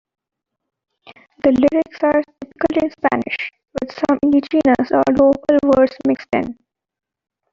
The lyrics are typically in Spanish, with some indigenous or local words mixed in.